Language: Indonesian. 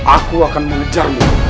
aku akan mengejarmu